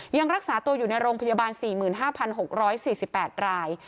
ยังรักษาตัวอยู่ในโรงพยาบาล๔๕๖๔๘ราย